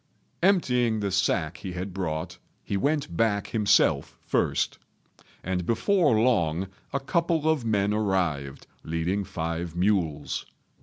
Emptying the sack he had brought, he went back himself first; and before long a couple of men arrived leading five mules.